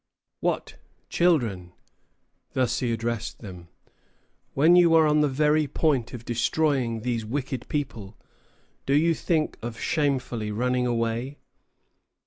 "What, children!" thus he addressed them, "when you are on the very point of destroying these wicked people, do you think of shamefully running away?